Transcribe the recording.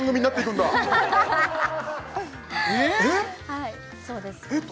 はいそうですえっ